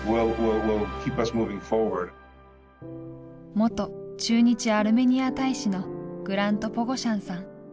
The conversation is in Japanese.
元駐日アルメニア大使のグラント・ポゴシャンさん。